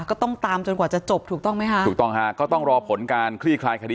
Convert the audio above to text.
ก็ต้องตามจนกว่าจะจบถูกต้องไหมคะถูกต้องฮะก็ต้องรอผลการคลี่คลายคดี